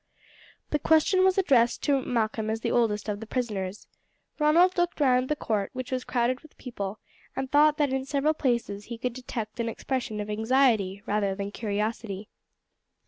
The question was addressed to Malcolm as the oldest of the prisoners. Ronald looked round the court, which was crowded with people, and thought that in several places he could detect an expression of anxiety rather than curiosity.